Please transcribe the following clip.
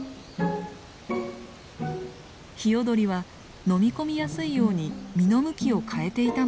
ヒヨドリは飲み込みやすいように実の向きを変えていたのです。